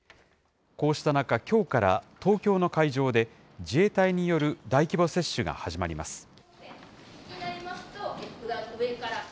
こうした中、きょうから東京の会場で自衛隊による大規模接種が始まります。